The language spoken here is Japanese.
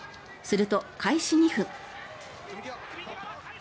すると、開始２分。